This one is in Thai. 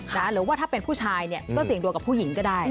หรือว่าถ้าเป็นผู้ชายเนี่ยก็เสี่ยงดวงกับผู้หญิงก็ได้